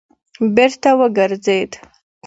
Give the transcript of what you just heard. بېرته وګرځېد.